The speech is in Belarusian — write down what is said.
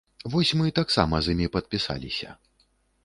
Вось мы таксама з імі падпісаліся.